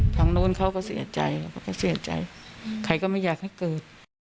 ทางนู้นเขาก็เสียใจเขาก็เสียใจใครก็ไม่อยากให้เกิด